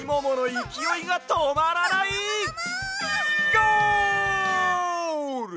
ゴール！